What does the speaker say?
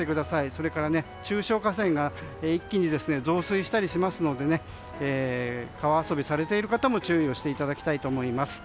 それから中小河川が一気に増水したりしますので川遊びされている方も注意をしていただきたいと思います。